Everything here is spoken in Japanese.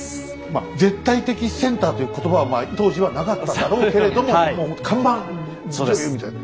まあ「絶対的センター」という言葉は当時はなかっただろうけれども看板女優みたいな。